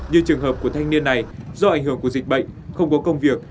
như trường hợp của thanh niên này do ảnh hưởng của dịch bệnh không có công việc